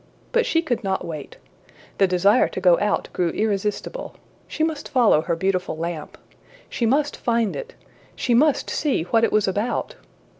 But she could not wait. The desire to go out grew irresistible. She must follow her beautiful lamp! She must find it! She must see what it was about!